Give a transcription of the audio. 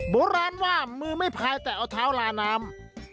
โบราณว่ามือไม่พายแต่เอาเท้าลาน้ำ